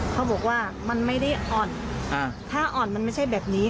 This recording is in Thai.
เขาบอกว่ามันไม่ได้อ่อนถ้าอ่อนมันไม่ใช่แบบนี้